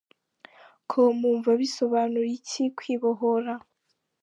com : Wumva bisobanura iki kwibohora ?.